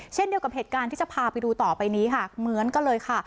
เช่นเดียวกับเหตุการณ์ที่จะพาไปดูต่อไปนี้ค่ะเหมือนกันเลยค่ะ